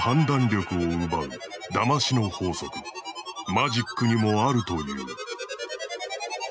マジックにもあるという。